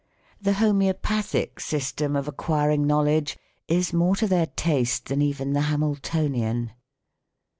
The Homoeopathic system of acquiring PROSODY. IVS knowledge is more to their taste than even the Hamil tonian.